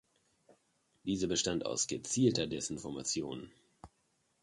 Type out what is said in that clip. Diese bestand aus gezielter Desinformation.